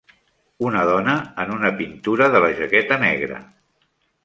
Una dona en una pintura de la jaqueta negre